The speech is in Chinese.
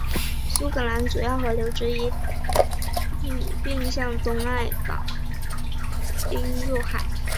苏格兰主要河流之一的福斯河发源于境内并东向爱丁堡入海。